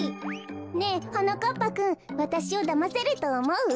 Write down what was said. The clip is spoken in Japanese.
ねえはなかっぱくんわたしをだませるとおもう？